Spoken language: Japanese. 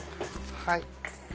はい。